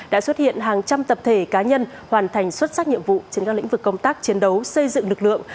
đã xuất hiện hàng trăm tập thể cá nhân hoàn thành xuất sắc nhiệm vụ trên các lĩnh vực công tác chiến đấu xây dựng lực lượng